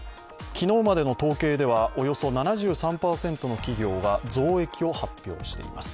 昨日までの統計ではおよそ７３％の企業が増益を発表しています。